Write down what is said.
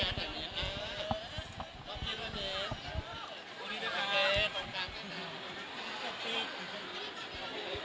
อันนี้ก็เป็นสถานที่สุดท้ายของเมืองและเป็นสถานที่สุดท้ายของอัศวินธรรมชาติ